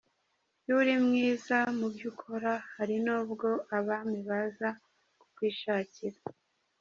Iyo uri mwiza mu byo ukora, hari n’ubwo abami baza kukwishakira.